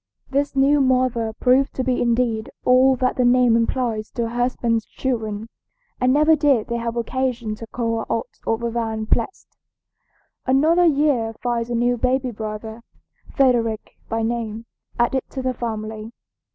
This new mother proved to be indeed all that the name implies to her husband's children, and never did they have occasion to call her aught other than blessed. Another year finds a new baby brother, Frederick by name, added to the family.